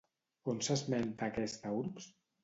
On s'esmenta aquesta urbs?